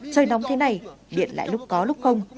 trời nóng thế này điện lại lúc có lúc không